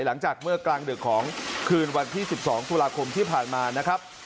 หลังจากเมื่อกลางดึกของคืนวันที่๑๒ตุลาคมที่ผ่านมานะครับ